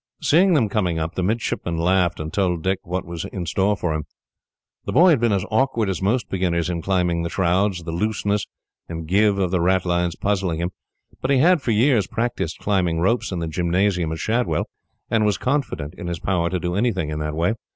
Seeing them coming up, the midshipman laughed, and told Dick what was in store for him. The boy had been as awkward as most beginners in climbing the shrouds, the looseness and give of the ratlines puzzling him; but he had, for years, practised climbing ropes in the gymnasium at Shadwell, and was confident in his power to do anything in that way.